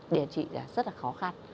để trị là rất là khó khăn